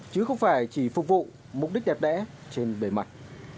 chứ không phải chỉ phục vụ mục đích đẹp đẽ trên bề mặt